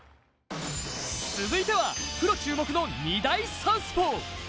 続いてはプロ注目の２大サウスポー。